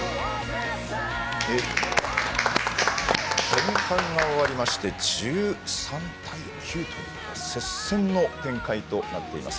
前半が終わりまして１３対９と接戦の展開となっています。